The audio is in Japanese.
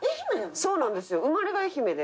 そうなんですよ。